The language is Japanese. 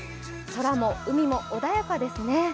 空も海も穏やかですね。